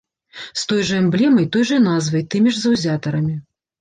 З той жа эмблемай, той жа назвай, тымі ж заўзятарамі.